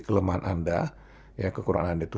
kelemahan anda ya kekurangan itu